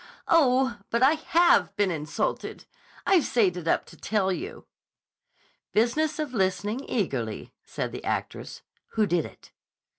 "Oh, but I have been insulted. I've saved it up to tell you." "Business of listening eagerly," said the actress. "Who did it?"